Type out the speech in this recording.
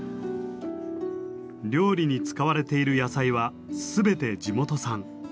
料理に使われている野菜は全て地元産。